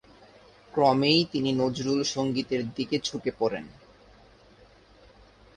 ক্রমেই তিনি নজরুল সঙ্গীতের দিকে ঝুঁকে পড়েন।